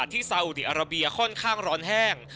ไทยล่ะ